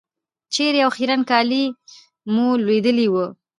چېرې او خیرن کالي مو لوېدلي وو.